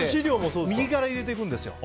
右から入れていくんですよ。